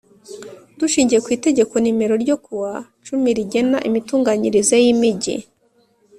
Dushingiye ku itegeko nimero ryo kuwa cumi rigena imitunganyirize yimigi